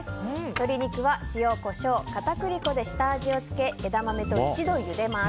鶏肉は塩、コショウ、片栗粉で下味を付け、枝豆と一度ゆでます。